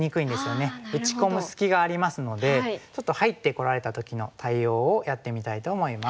打ち込む隙がありますのでちょっと入ってこられた時の対応をやってみたいと思います。